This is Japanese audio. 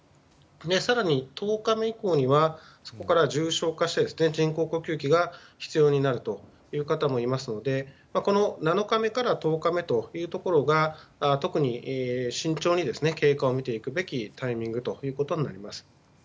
更に、１０日目以降にはそこから重症化して人工呼吸器が必要になるという方もいますので７日目から１０日目というところが特に慎重に経過を見ていくべきタイミングということです。